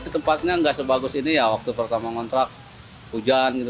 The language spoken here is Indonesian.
tempatnya nggak sebagus ini ya waktu pertama ngontrak hujan gitu